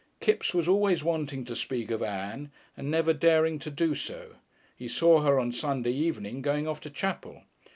Kipps was always wanting to speak of Ann, but never daring to do so. He saw her on Sunday evening going off to chapel.